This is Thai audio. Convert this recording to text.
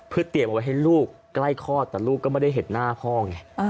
เพื่อเตรียมเอาไว้ให้ลูกใกล้คลอดแต่ลูกก็ไม่ได้เห็นหน้าพ่อไง